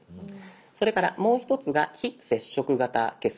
それからもう一つが「非接触型決済」。